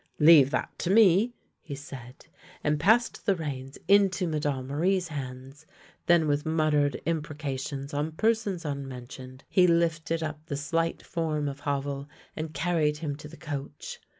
" Leave that to me! " he said, and passed the reins into Madame Marie's hands, then with muttered im precations on persons unmentioned he lifted up the 56 THE LANE THAT HAD NO TURNING slight form of Havel and carried him to the coach.